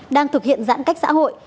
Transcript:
đang thực hiện giãn cách xã hội